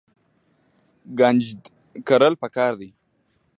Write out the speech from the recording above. کنجد کرل پکار دي.